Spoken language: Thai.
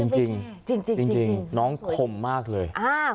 จริงน้องคมมากเลย